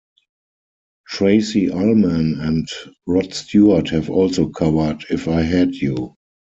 Tracey Ullman and Rod Stewart have also covered If I Had You.